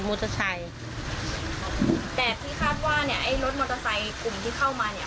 แต่พี่คาดว่าเนี่ยไอ้รถมอเตอร์ไซค์กลุ่มที่เข้ามาเนี่ย